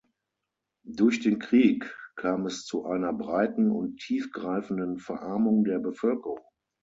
Durch den Krieg kam es zu einer breiten und tiefgreifenden Verarmung der Bevölkerung.